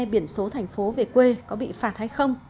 hai biển số thành phố về quê có bị phạt hay không